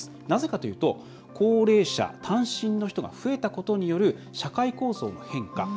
なぜかというと高齢者、単身の人が増えたことによる社会構造の変化。